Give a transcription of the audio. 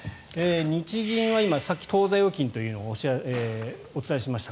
日銀は今さっき当座預金というのをお伝えしました。